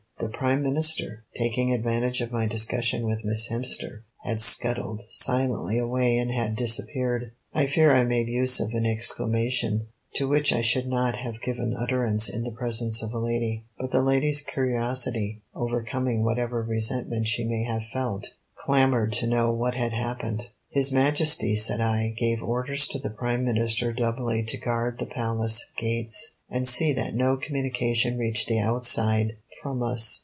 The Prime Minister, taking advantage of my discussion with Miss Hemster, had scuttled silently away and had disappeared. I fear I made use of an exclamation to which I should not have given utterance in the presence of a lady; but that lady's curiosity, overcoming whatever resentment she may have felt, clamoured to know what had happened. "His Majesty," said I, "gave orders to the Prime Minister doubly to guard the Palace gates, and see that no communication reached the outside from us.